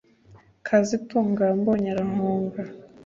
kazitunga ambonye arahunga